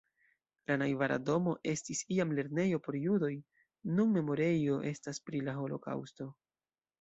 La najbara domo estis iam lernejo por judoj, nun memorejo estas pri la holokaŭsto.